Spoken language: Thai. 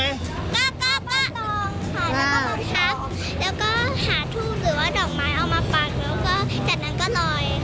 แล้วก็หาทุกหรือว่าดอกไม้เอามาปัดแล้วก็จากนั้นก็ลอย